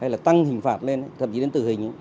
hay là tăng hình phạt lên thậm chí đến tử hình